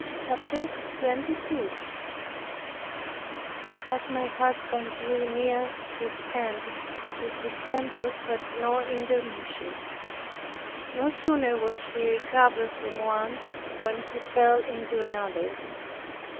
CHAPTER 22 As my husband drew near his end, his distempers had no intermission. No sooner was he recovered from one when he fell into another.